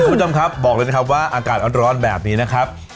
คุณผู้ชมครับบอกเลยนะครับว่าอากาศร้อนแบบนี้นะครับ